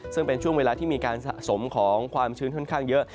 ซึ่งเป็นช่วงเวลาที่มีการสะสมของความชื้นค่อนข้างเยอะ